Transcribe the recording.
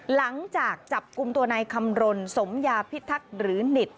หลังจากจับกลุ่มตัวนายคำรณสมยาพิทักษ์หรือหิต